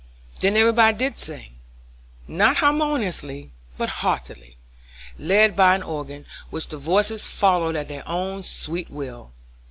Then everybody did sing; not harmoniously, but heartily, led by an organ, which the voices followed at their own sweet will.